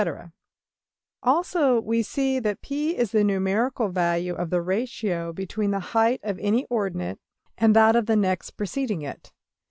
png}% Also, we see that $p$ is the numerical value of the ratio between the height of any ordinate and that of the next preceding it.